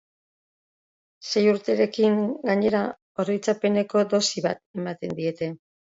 Sei urterekin, gainera, oroitzapeneko dosi bat ematen diete.